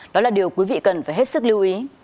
đó là điều quý vị cần phải hết sức lưu ý